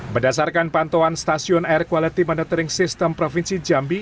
berdasarkan pantauan stasiun air quality monitoring system provinsi jambi